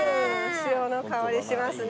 潮の香りしますね。